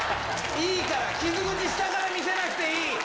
いいから、傷口、下から見せなくていい。